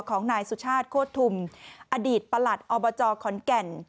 ของนายสุชาติโคตรทุมอดีตประหลัดอบจขอนแก่น